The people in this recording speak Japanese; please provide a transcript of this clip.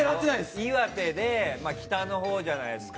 岩手で北のほうじゃないですか。